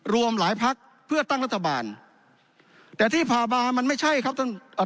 รวมหลายพักเพื่อตั้งรัฐบาลแต่ที่ผ่านมามันไม่ใช่ครับท่านเอ่อ